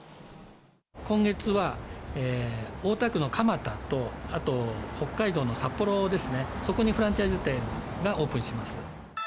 今月は、大田区の蒲田と、あと北海道の札幌ですね、そこにフランチャイズ店がオープンします。